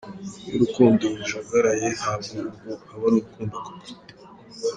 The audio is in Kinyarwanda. Iyo urukundo rujagaraye, ntabwo urwo aba ari urukundo koko.